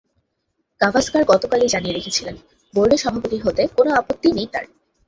গাভাস্কার গতকালই জানিয়ে রেখেছিলেন, বোর্ড সভাপতি হতে কোনো আপত্তি নেই তাঁর।